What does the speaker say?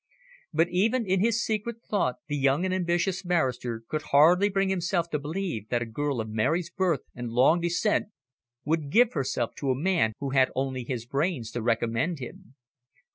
But even in his secret thought the young and ambitious barrister could hardly bring himself to believe that a girl of Mary's birth and long descent would give herself to a man who had only his brains to recommend him.